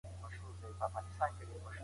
ولي ماشومان په خپله ژبه کي ژر ځواب ورکوي؟